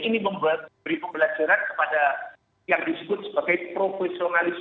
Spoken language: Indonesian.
ini memberi pembelajaran kepada yang disebut sebagai profesionalisme